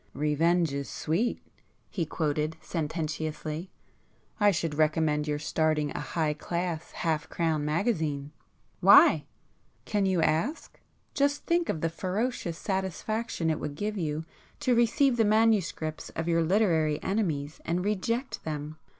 "Revenge is sweet!" he quoted sententiously—"I should recommend your starting a high class half crown magazine." [p 60]"Why?" "Can you ask? Just think of the ferocious satisfaction it would give you to receive the manuscripts of your literary enemies, and reject them!